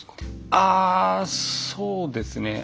あそうですね